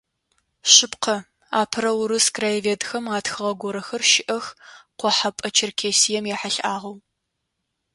Шъыпкъэ, апэрэ урыс краеведхэм атхыгъэ горэхэр щыӏэх Къохьэпӏэ Черкесием ехьылӏагъэу.